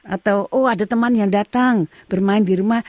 atau oh ada teman yang datang bermain di rumah